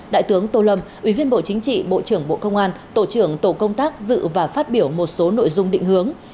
đại tướng tô lâm ủy viên bộ chính trị bộ trưởng bộ công an tổ trưởng tổ công tác dự và phát biểu một số nội dung định hướng